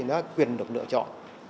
nó là quyền được lựa chọn